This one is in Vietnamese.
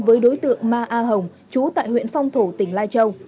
với đối tượng ma a hồng trú tại huyện phong thổ tỉnh lai châu